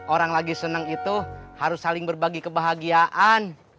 orang lagi senang itu harus saling berbagi kebahagiaan